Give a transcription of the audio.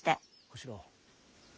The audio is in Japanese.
小四郎。